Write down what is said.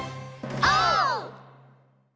オー！